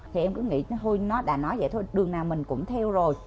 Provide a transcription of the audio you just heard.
thì em cứ nghĩ nó đã nói vậy thôi đường nào mình cũng theo rồi